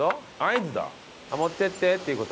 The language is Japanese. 「持っていって！」っていう事？